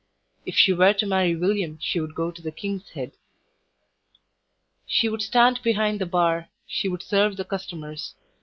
If she were to marry William she would go to the "King's Head." She would stand behind the bar; she would serve the customers.